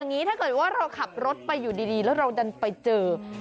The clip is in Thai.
อย่างนี้ถ้าเกิดว่าเราขับรถไปอยู่ดีแล้วเราดันไปเจอ